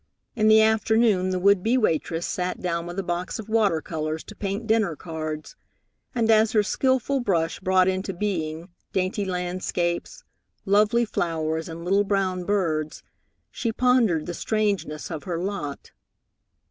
In the afternoon the would be waitress sat down with a box of water colors to paint dinner cards, and as her skilful brush brought into being dainty landscapes, lovely flowers, and little brown birds, she pondered the strangeness of her lot.